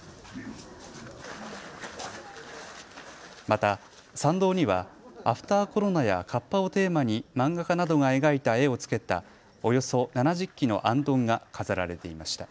また参道にはアフターコロナやかっぱをテーマに漫画家などが描いた絵をつけたおよそ７０基のあんどんが飾られていました。